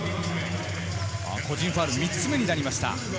個人ファウル３つ目になりました。